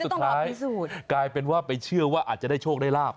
สุดท้ายกลายเป็นว่าไปเชื่อว่าอาจจะได้โชคได้ลาบ